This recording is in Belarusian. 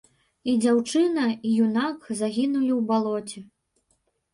І дзяўчына і юнак загінулі ў балоце.